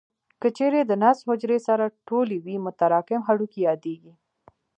که چیرې هډوکو د نسج حجرې سره ټولې وي متراکم هډوکي یادېږي.